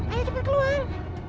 ayo cepat keluar